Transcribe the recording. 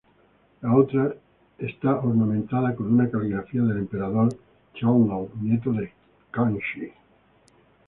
La otra está ornamentada con una caligrafía del emperador Qianlong, nieto de Kangxi.